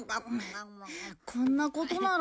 こんなことなら。